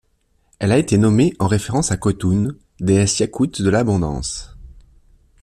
Elle a été nommée en référence à Khotun, déesse Yakute de l'abondance.